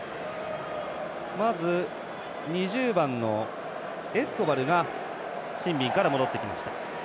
まず２０番のエスコバルがシンビンから戻ってきました。